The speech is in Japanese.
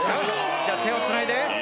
じゃ手をつないで。